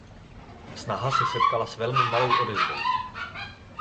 Snaha se setkala s velmi malou odezvou.